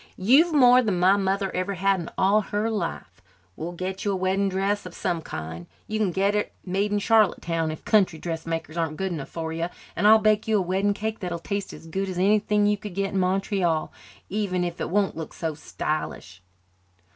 "You've more than my mother ever had in all her life. We'll get you a wedding dress of some kind. You can get it made in Charlottetown, if country dressmakers aren't good enough for you, and I'll bake you a wedding cake that'll taste as good as anything you could get in Montreal, even if it won't look so stylish."